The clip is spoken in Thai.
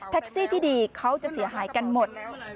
ที่ดีเขาจะเสียหายกันหมด